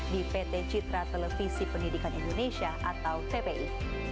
di pt citra televisi pendidikan indonesia atau tpi